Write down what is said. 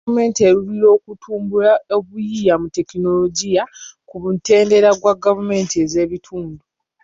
Gavumenti eruubirira okutumbula obuyiiya mu tekinologiya ku mutendera gwa gavumenti z'ebitundu.